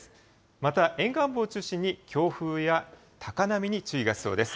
また、沿岸部を中心に強風や高波に注意が必要です。